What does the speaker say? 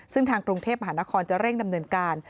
ซึ่งทางกรุงเทพมหานครจะเร่งดำเนินการ